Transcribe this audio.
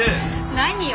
何よ？